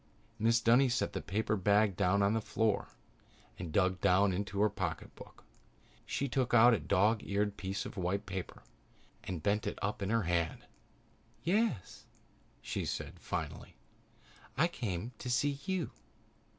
Mrs. Dunny set the paper bag down on the floor and dug down into her pocketbook. She took out a dog eared piece of white paper and bent it up in her hand. "Yes," she said finally. "I came to see you.